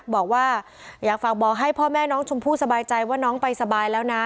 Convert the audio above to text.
บอกว่าอยากฝากบอกให้พ่อแม่น้องชมพู่สบายใจว่าน้องไปสบายแล้วนะ